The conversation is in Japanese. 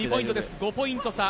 ５ポイント差。